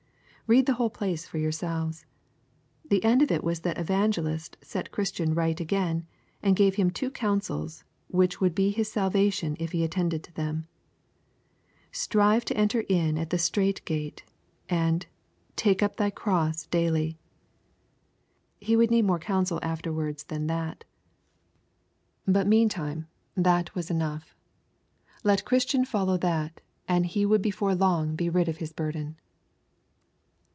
Read the whole place for yourselves. The end of it was that Evangelist set Christian right again, and gave him two counsels which would be his salvation if he attended to them: Strive to enter in at the strait gate, and, Take up thy cross daily. He would need more counsel afterwards than that; but, meantime, that was enough. Let Christian follow that, and he would before long be rid of his burden.